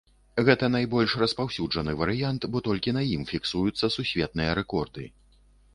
Гэта найбольш распаўсюджаны варыянт, бо толькі на ім фіксуюцца сусветныя рэкорды.